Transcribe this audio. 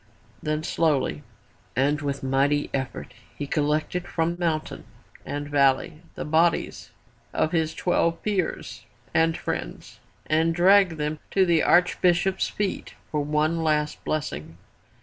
Then slowly and with mighty effort he collected from mountain and valley the bodies of his twelve peers and friends and dragged them to the Archbishop's feet for one last blessing.